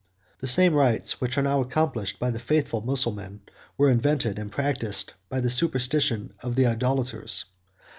The same rites which are now accomplished by the faithful Mussulman, were invented and practised by the superstition of the idolaters.